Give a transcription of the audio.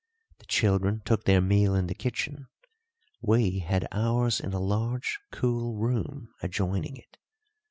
The children took their meal in the kitchen, we had ours in a large, cool room adjoining it.